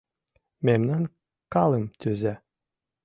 Мемнан калым тӱза: